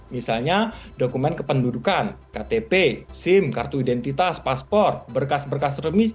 misalnya dokumen kependudukan ktp sim kartu identitas paspor berkas berkas resmi